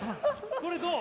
これどう？